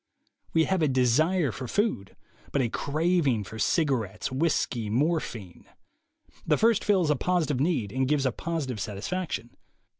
AVe have a desire for food, but a craving for cigarettes, whiskey, morphine. The first fills a positive need and gives a positive satisfaction.